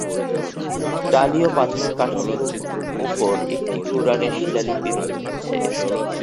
টালি ও পাথরের কাঠামোর উপরে একটি কুরআনের শিলালিপি আছে।